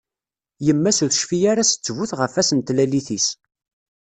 Yemma-s ur tecfi ara s ttbut ɣef wass n tlalit-is.